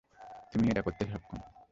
তুমি এটা করতে সক্ষম।